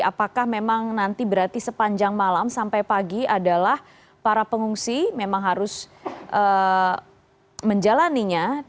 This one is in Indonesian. apakah memang nanti berarti sepanjang malam sampai pagi adalah para pengungsi memang harus menjalaninya